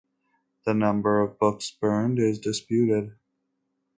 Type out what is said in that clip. The number of books burned is disputed.